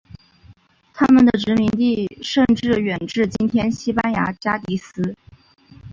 他们的殖民地甚至远至今天西班牙加的斯。